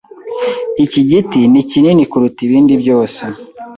Iki giti ni kinini kuruta ibindi byose.